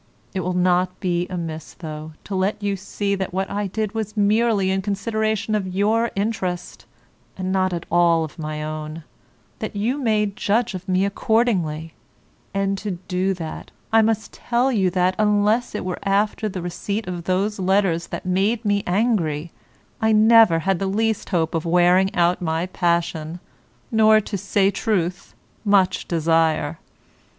It will not be amiss though to let you see that what I did was merely in consideration of your interest, and not at all of my own, that you may judge of me accordingly; and, to do that, I must tell you that, unless it were after the receipt of those letters that made me angry, I never had the least hope of wearing out my passion, nor, to say truth, much desire.